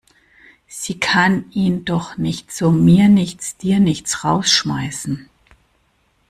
Sie kann ihn doch nicht so mir nichts, dir nichts rausschmeißen!